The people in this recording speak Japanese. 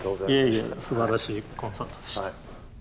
いえいえすばらしいコンサートでした。